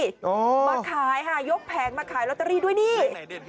มาขายค่ะยกแผงมาขายลอตเตอรี่ด้วยนี่